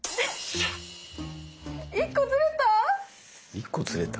一個ずれた？